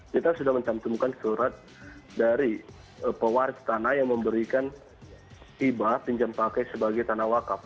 kita mencumumkan surat dari pewaris tanah yang memberikan ibad pinjam pakai sebagai tanah wakaf